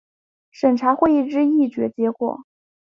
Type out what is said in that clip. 审查会议之议决结果